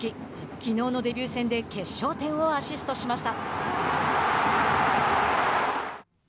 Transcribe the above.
きのうのデビュー戦で決勝点をアシストしました。